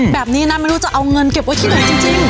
แบบนี้นะไม่รู้จะเอาเงินเก็บไว้ที่ไหนจริง